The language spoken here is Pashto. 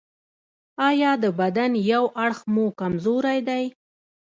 ایا د بدن یو اړخ مو کمزوری دی؟